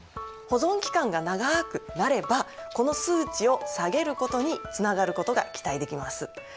保存期間が長くなればこの数値を下げることにつながることが期待できます。